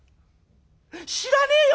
知らねえよ